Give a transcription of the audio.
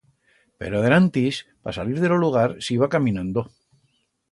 Pero denantis, pa salir de lo lugar s'iba caminando.